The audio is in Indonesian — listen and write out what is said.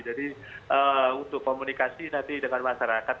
jadi untuk komunikasi nanti dengan masyarakat